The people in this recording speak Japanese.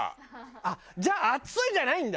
あっじゃあ暑いじゃないんだ。